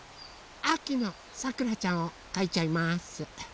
あきのさくらちゃんをかいちゃいます！